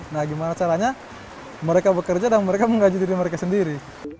nah gimana caranya mereka bekerja dan mereka menggaji diri mereka sendiri